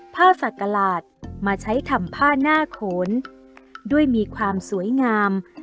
ผ้าสักกระหลาดมาใช้ทำผ้าหน้าโขนด้วยมีความสวยงาม